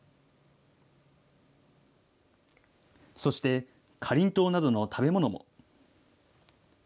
そして、かりんとうなどの食べ物も。